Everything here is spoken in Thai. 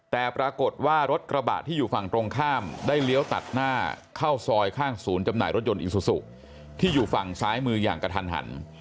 แต่ปรากฏว่ารถกระบะที่อยู่ฝั่งตรงข้ามได้เลี้ยวตัดหน้าเข้าซอยข้างศูนย์จำหน่ายรถยนต์อิซูซูที่อยู่ฝั่งซ้ายมืออย่างกระทันหัน